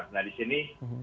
nah di sini